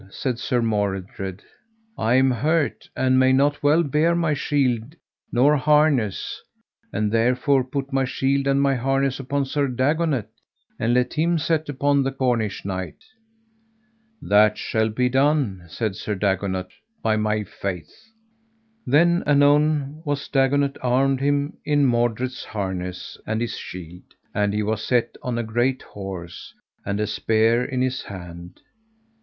said Sir Mordred; I am hurt and may not well bear my shield nor harness, and therefore put my shield and my harness upon Sir Dagonet, and let him set upon the Cornish knight. That shall be done, said Sir Dagonet, by my faith. Then anon was Dagonet armed him in Mordred's harness and his shield, and he was set on a great horse, and a spear in his hand.